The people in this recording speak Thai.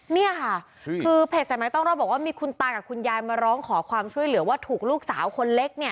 เนี่ยค่ะคือเพจสายไม้ต้องรอบบอกว่ามีคุณตากับคุณยายมาร้องขอความช่วยเหลือว่าถูกลูกสาวคนเล็กเนี่ย